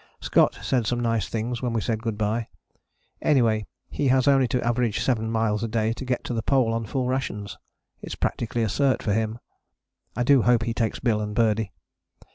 Scott said some nice things when we said good bye. Anyway he has only to average seven miles a day to get to the Pole on full rations it's practically a cert for him. I do hope he takes Bill and Birdie.